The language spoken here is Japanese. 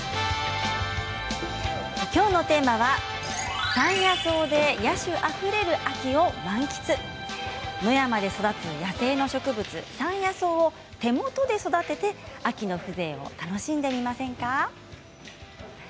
きょうのテーマは山野草で野趣あふれる秋を満喫野山で育つ野生の植物山野草を手元で育てて秋の風情を楽しんでみませんか。